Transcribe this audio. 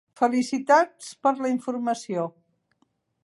Felicitats per la informació.